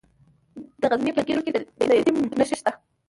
د غزني په ګیرو کې د لیتیم نښې شته.